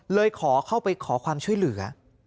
เลยขอเข้าไปขอความช่วยเหลือ